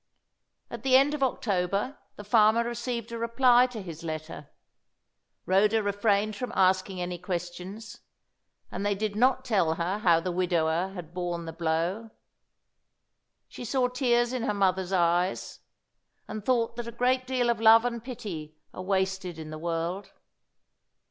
At the end of October, the farmer received a reply to his letter. Rhoda refrained from asking any questions, and they did not tell her how the widower had borne the blow. She saw tears in her mother's eyes, and thought that a great deal of love and pity are wasted in the world.